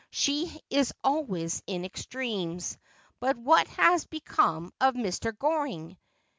' She is always in extremes. But what has become of Mr. Goring